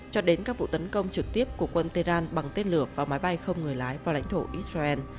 cho đến các vụ tấn công trực tiếp của quân teran bằng tên lửa và máy bay không người lái vào lãnh thổ israel